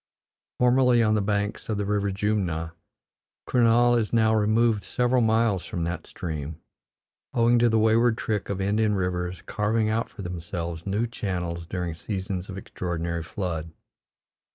Formerly on the banks of the river Jumna, Kurnaul is now removed several miles from that stream, owing to the wayward trick of Indian rivers carving out for themselves new channels during seasons of extraordinary flood.